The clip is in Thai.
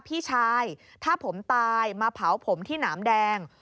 พี่ชายถ้าผมตายมาเผาผมที่หนามแดง